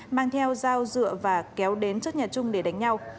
mang theo dao dựa và kéo đến trước nhà trung để đánh nhau